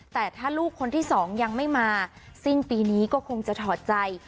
แต่ถ้าลูกคนที่สองยังไม่มาสิ้นปีนี้ก็คงจะถอดใจ